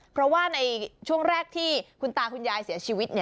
เพราะว่าในช่วงแรกที่คุณตาคุณยายเสียชีวิต